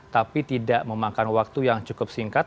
tapi tidak memakan waktu yang cukup singkat